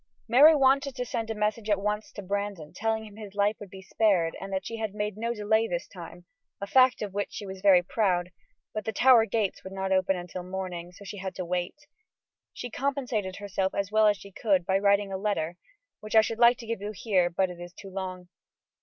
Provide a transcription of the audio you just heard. Mary wanted to send a message at once to Brandon, telling him his life would be spared, and that she had made no delay this time a fact of which she was very proud but the Tower gates would not open until morning, so she had to wait. She compensated herself as well as she could by writing a letter, which I should like to give you here, but it is too long.